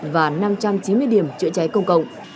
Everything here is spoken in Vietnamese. và năm trăm chín mươi điểm chữa cháy công cộng